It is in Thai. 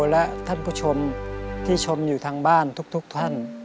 และท่านผู้ชมที่ชมอยู่ทางบ้านทุกท่าน